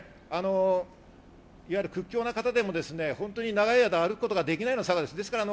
屈強な方でも長い間、歩くことができないような坂です。